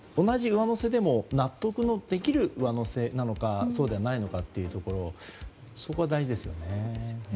同じ上乗せでも納得のできる上乗せなのかそうではないのかというところそこは大事ですよね。